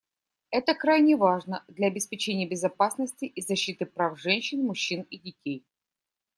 Это крайне важно для обеспечения безопасности и защиты прав женщин, мужчин и детей.